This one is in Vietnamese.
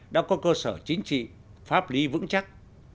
đã có cơ sở chính trị pháp lý vững chắc